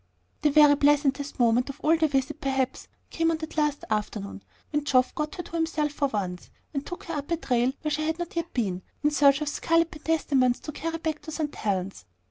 The very pleasantest moment of the visit perhaps came on that last afternoon, when Geoff got her to himself for once, and took her up a trail where she had not yet been, in search of scarlet pentstemons to carry back to St. Helen's.